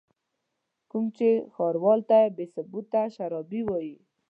کوم چې ښاروال ته بې ثبوته شرابي وايي.